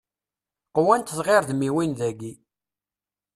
Qwant tɣirdmiwin dagi.